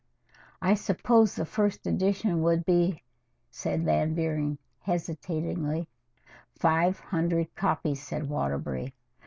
"I suppose the first edition would be " said Van Buren hesitatingly. "Five hundred copies," said Waterbury.